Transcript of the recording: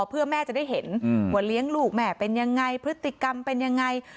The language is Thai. เพื่อแม่จะได้เห็นว่าเลี้ยงลูกแม่เป็นยังไงพฤติกรรมเป็นยังไง